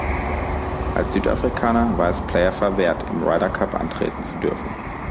Als Südafrikaner war es Player verwehrt, im Ryder Cup antreten zu dürfen.